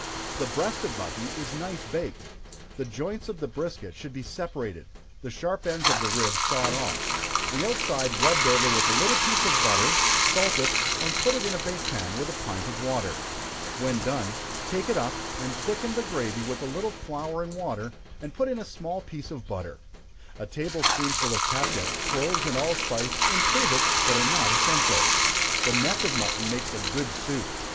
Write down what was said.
The breast of mutton is nice baked. The joints of the brisket should be separated, the sharp ends of the ribs sawed off, the outside rubbed over with a little piece of butter salt it, and put it in a bake pan, with a pint of water. When done, take it up, and thicken the gravy with a little flour and water, and put in a small piece of butter. A table spoonful of catsup, cloves and allspice, improve it, but are not essential. The neck of mutton makes a good soup.